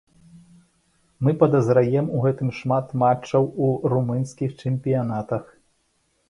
Мы падазраем у гэтым шмат матчаў у румынскіх чэмпіянатах.